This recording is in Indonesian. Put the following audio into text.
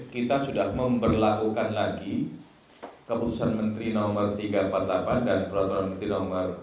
kita sudah memperlakukan lagi keputusan menteri nomor tiga ratus empat puluh delapan dan peraturan menteri nomor dua